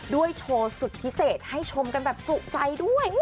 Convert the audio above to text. โชว์สุดพิเศษให้ชมกันแบบจุใจด้วย